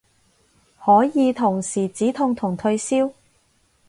可以同時止痛同退燒